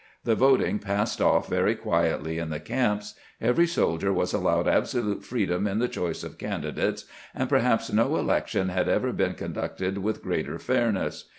The voting passed off very quietly in the camps. Every soldier was allowed absolute freedom in the choice of candidates, and perhaps no election had ever been conducted with greater fairness.